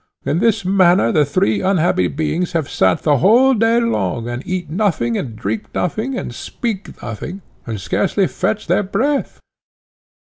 In this manner the three unhappy beings have sate the whole day long, and eat nothing, and drink nothing, and speak nothing, and scarcely fetch their breath."